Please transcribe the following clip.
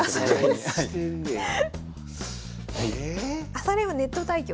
朝練はネット対局？